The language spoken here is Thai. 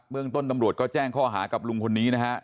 เมืองต้นตำรวจก็แจ้งข้อหากับลุงคนนี้นะฮะ